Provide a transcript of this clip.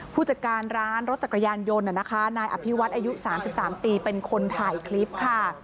ผู้จัดการร้านรถจักรยานยนต์นะคะนายอภิวัฒน์อายุ๓๓ปีเป็นคนถ่ายคลิปค่ะ